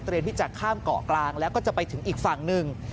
ที่จะข้ามเกาะกลางแล้วก็จะไปถึงอีกฝั่งหนึ่ง